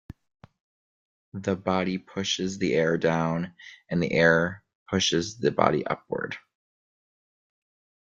The body "pushes" the air down, and the air pushes the body upward.